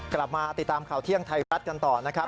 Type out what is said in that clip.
กลับมาติดตามข่าวเที่ยงไทยรัฐกันต่อนะครับ